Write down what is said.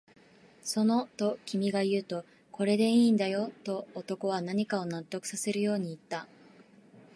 その、と君が言うと、これでいいんだよ、と男は何かを納得させるように言った